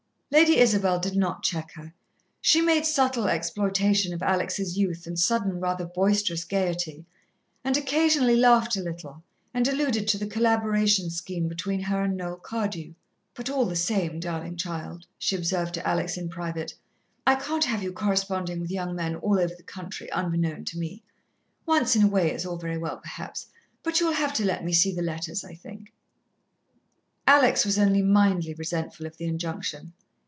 Lady Isabel did not check her. She made subtle exploitation of Alex' youth and sudden, rather boisterous gaiety, and occasionally laughed a little, and alluded to the collaboration scheme between her and Noel Cardew. "But all the same, darlin' child," she observed to Alex in private, "I can't have you correspondin' with young men all over the country unbeknown to me. Once in a way is all very well, perhaps, but you'll have to let me see the letters, I think." Alex was only mildly resentful of the injunction.